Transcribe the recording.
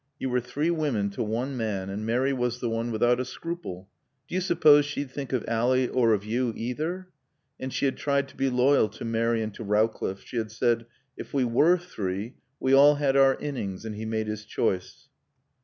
You were three women to one man, and Mary was the one without a scruple. Do you suppose she'd think of Ally or of you, either?" And she had tried to be loyal to Mary and to Rowcliffe. She had said, "If we were three, we all had our innings, and he made his choice."